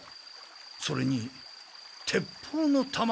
それに鉄砲のたま。